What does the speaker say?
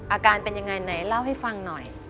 อาการเป็นยังไงไหนเล่าให้ฟังหน่อย